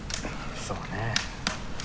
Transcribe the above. そうね。